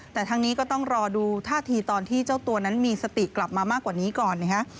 แต่ทั้งนี้ก็ต้องรอดูท่าทีตอนที่เจ้าตัวนั้นมีสติกลับมามากกว่านี้ก่อนนะฮะ